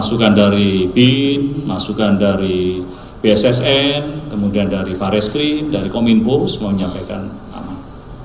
masukkan dari bin masukkan dari pssn kemudian dari pareskri dari kominpu semua menyampaikan aman